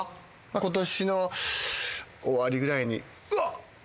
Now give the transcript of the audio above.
ことしの終わりぐらいに、うわっ！